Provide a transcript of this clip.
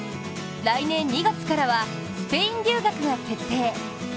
来年２月からはスペイン留学が決定。